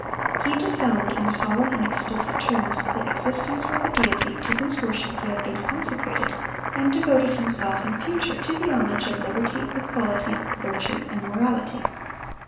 He disowned, in solemn and explicit terms, the existence of the Deity to whose worship he had been consecrated, and devoted himself in future to the homage of liberty, equality, virtue, and morality.